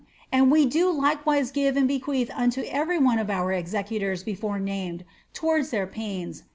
And we do likewise give and bequeath into every one of our executors before named, towards their pains, viz.